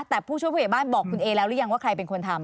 แต่ผู้ช่วยผู้ใหญ่บ้านบอกคุณเอแล้วหรือยังว่าใครเป็นคนทำ